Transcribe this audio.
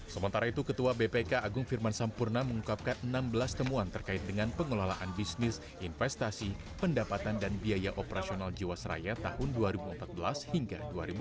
sementara itu ketua bpk agung firman sampurna mengungkapkan enam belas temuan terkait dengan pengelolaan bisnis investasi pendapatan dan biaya operasional jawa seraya tahun dua ribu empat belas hingga dua ribu dua puluh